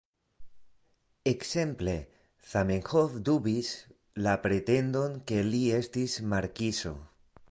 Ekzemple: "Zamenhof dubis la pretendon, ke li estis markizo.